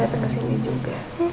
mama dateng kesini juga